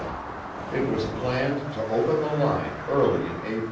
It was planned to open the line early in April.